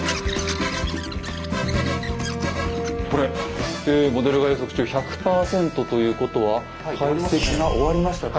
これ「モデルが予測中１００％」ということは解析が終わりましたか。